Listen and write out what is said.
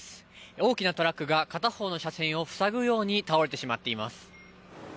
大きなトラックが片方の車線を塞ぐように倒れてしまっています。